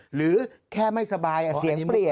หรือแค่ไม่สบายเสียงเปลี่ยน